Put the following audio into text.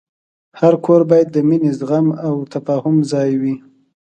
هر کور باید د مینې، زغم، او تفاهم ځای وي.